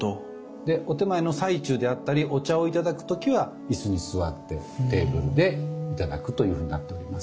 でお点前の最中であったりお茶をいただく時は椅子に座ってテーブルでいただくというふうになっております。